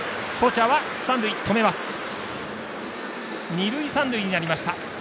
二塁、三塁になりました。